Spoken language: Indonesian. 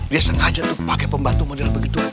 dia sengaja pake pembantu model begitu